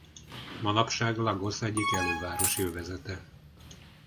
Manapság Lagos egyik elővárosi övezete.